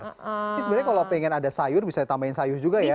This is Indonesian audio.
ini sebenarnya kalau pengen ada sayur bisa tambahin sayur juga ya